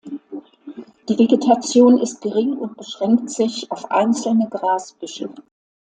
Die Vegetation ist gering und beschränkt sich auf einzelne Grasbüschel.